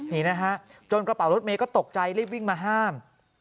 นี่นะฮะจนกระเป๋ารถเมย์ก็ตกใจรีบวิ่งมาห้าม